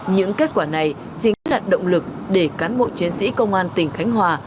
những kết quả này chính là động lực để cán bộ chiến sĩ công an tỉnh khánh hòa